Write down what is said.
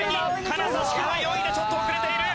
金指君は４位でちょっと遅れている。